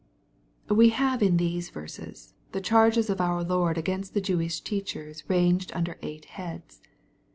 We have in these verses the cha rges of our Lord against the Jewish teachers ranged under ei^ht heads.